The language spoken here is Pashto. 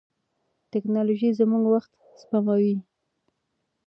ټیکنالوژي زموږ وخت سپموي.